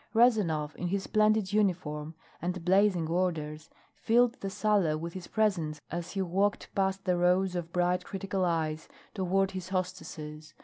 Rezanov, in his splendid uniform and blazing orders, filled the sala with his presence as he walked past the rows of bright critical eyes toward his hostesses.